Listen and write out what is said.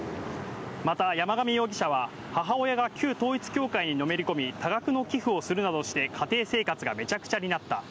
また山上容疑者は、母親が旧統一教会にのめりこみ、多額の寄付をするなどして家庭生活がめちゃくちゃになった。